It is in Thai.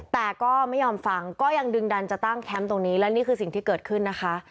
แต่ก็ไม่ยอมฟังก็ยังดึงดันจะตั้งแคมป์ตรงนี้และนี่คือสิ่งที่เกิดขึ้นนะคะ